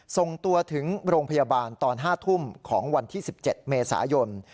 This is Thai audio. ส่งตัวถึงโรงพยาบาลตอน๕ทุ่มของวันที่๑๗เมษายน